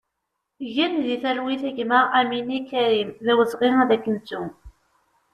Gen di talwit a gma Amini Karim, d awezɣi ad k-nettu!